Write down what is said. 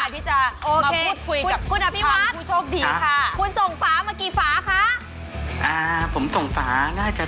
เปิดทีวีสักหนึ่งครับ